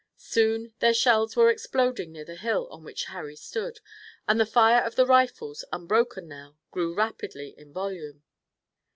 Soon their shells were exploding near the hill on which Harry stood, and the fire of the rifles, unbroken now, grew rapidly in volume.